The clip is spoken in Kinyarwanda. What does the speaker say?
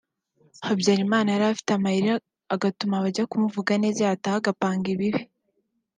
Habyarimana yari afite amayeri agatuma abajya kumuvuga neza yataha agapanga ibibi